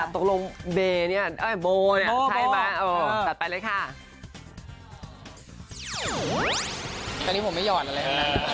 ตอนนี้ผมไม่หย่อนอะไรแนะ